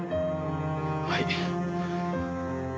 はい。